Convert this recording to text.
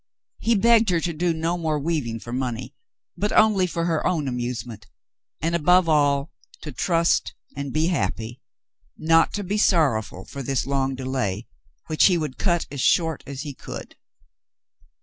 He begged her to do no more weaving for money — but only for her own amusement, and above all to trust and be happy, not to be sorrowful for this long delay, which he would cut as short as he could.